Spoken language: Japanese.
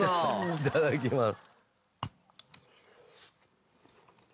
いただきます。